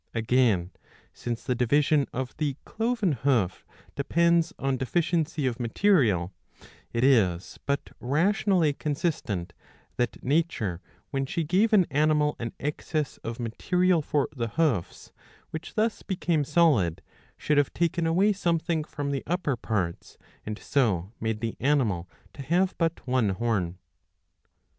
Again, since the division of the cloven hoof depends on deficiency of material, it is but rationally consistent, that nature when she gave an animal an excess of material for the hoofs, which thus became solid, should have taken away something from the upper parts and so made the animal to have but one horn.